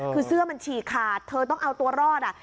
คือเสื้อมันฉีกขาดเธอต้องเอาตัวรอด